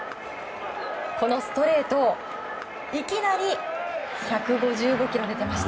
このストレート、いきなり１５５キロ出ていました。